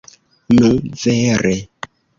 Nu, vere.